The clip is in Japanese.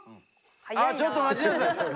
あちょっと待ちなさい。